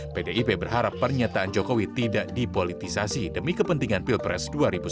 pdip berharap pernyataan jokowi tidak dipolitisasi demi kepentingan pilpres dua ribu sembilan belas